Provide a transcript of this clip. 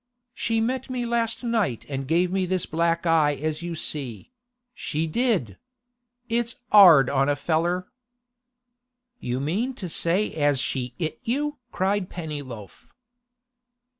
She met me last night and gave me this black eye as you see—she did! It's 'ard on a feller.' 'You mean to say as she 'it you?' cried Pennyloaf.